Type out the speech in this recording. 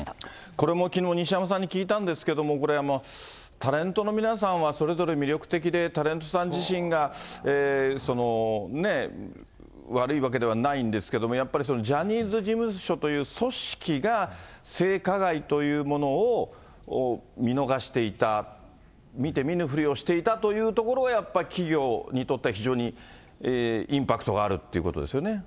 これもきのう、西山さんに聞いたんですけれども、これ、タレントの皆さんはそれぞれ魅力的で、タレントさん自身が悪いわけではないんですけども、やっぱりそのジャニーズ事務所という組織が性加害というものを見逃していた、見て見ぬふりをしていたというところがやっぱ企業にとっては非常にインパクトがあるということですよね。